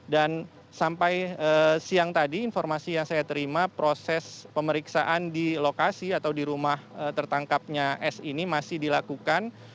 dan sampai siang tadi informasi yang saya terima proses pemeriksaan di lokasi atau di rumah tertangkapnya s ini masih dilakukan